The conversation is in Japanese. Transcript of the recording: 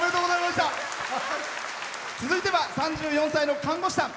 続いては３４歳の看護師さん。